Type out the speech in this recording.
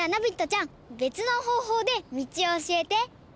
ちゃんべつのほうほうでみちをおしえて！